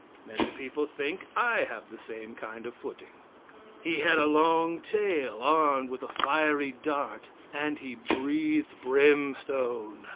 (Many people think I have the same kind of footing.) He had a long tail, armed with a fiery dart, and he breathed brimstone.